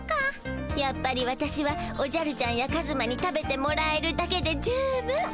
やっぱり私はおじゃるちゃんやカズマに食べてもらえるだけで十分。